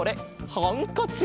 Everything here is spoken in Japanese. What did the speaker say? ハンカチ。